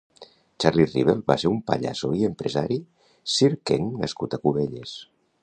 Charlie Rivel va ser un pallasso i empresari circenc nascut a Cubelles.